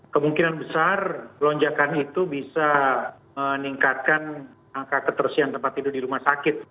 kemungkinan besar lonjakan itu bisa meningkatkan angka ketersian tempat tidur di rumah sakit